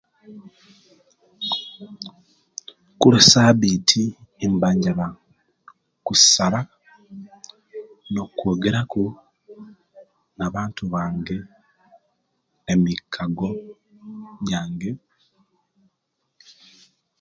Kulwesabiti nba njaba kusaba nokwogera ku nabantu bange emikago jange